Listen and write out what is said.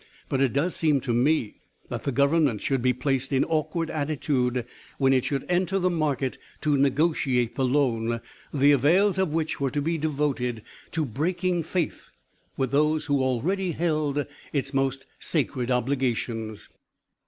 But it does seem to me that the Government would be placed in awkward attitude when it should enter the market to negotiate the loan, the avails of which were to be devoted to breaking faith with those who already held its most sacred obligations!